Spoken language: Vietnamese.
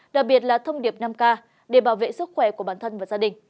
đặc biệt là thông điệp năm k để bảo vệ sức khỏe của bản thân và gia đình